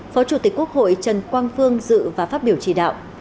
phó chủ tịch quốc hội trần quang phương dự và phát biểu chỉ đạo